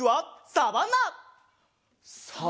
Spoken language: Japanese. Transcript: サバンナ？